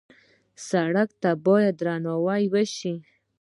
سړک ته باید درناوی وشي.